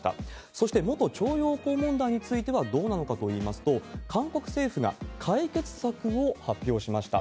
そして、元徴用工問題についてはどうなのかといいますと、韓国政府が解決策を発表しました。